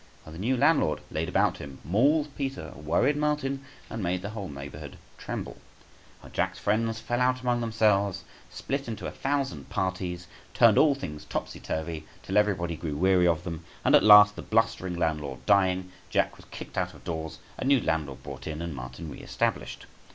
How the new landlord {164a} laid about him, mauled Peter, worried Martin, and made the whole neighbourhood tremble. How Jack's friends fell out among themselves, split into a thousand parties, turned all things topsy turvy, till everybody grew weary of them; and at last, the blustering landlord dying, Jack was kicked out of doors, a new landlord {164b} brought in, and Martin re established.